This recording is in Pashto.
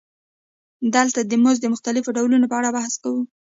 دلته د مزد د مختلفو ډولونو په اړه بحث کوو